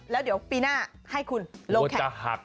แล้วเดี๋ยวปีหน้าให้คุณลงแข่ง